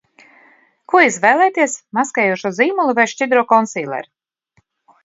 Ko izvēlēties: maskējošo zīmuli vai šķidro konsīleri?